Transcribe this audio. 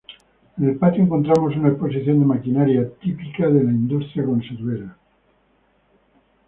En el patio encontramos una exposición de maquinaria típica de la industria conservera.